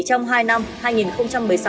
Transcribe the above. chỉ trong hai năm